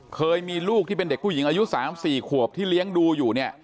เคยมีลูกที่เป็นเด็กผู้หญิงอายุ๓๔ขวบที่เลี้ยงดูอยู่เนี่ย